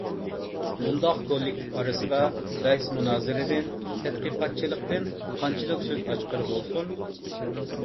بۇنداق كوللىكتىپ ئارىسىدا بەھس مۇنازىرىدىن، تەتقىقاتچىلىقتىن قانچىلىك سۆز ئاچقىلى بولسۇن؟!